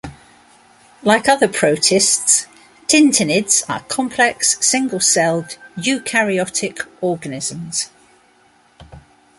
Like other protists, tintinnids are complex single-celled eukaryotic organisms.